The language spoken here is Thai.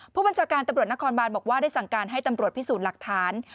ผู้บัญชาการตำรวจนครบานบอกว่าได้สั่งการให้ตำรวจพิสูจน์หลักฐาน